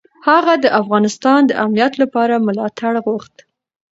هغه د افغانستان د امنیت لپاره ملاتړ غوښت.